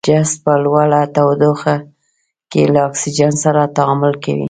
جست په لوړه تودوخه کې له اکسیجن سره تعامل کوي.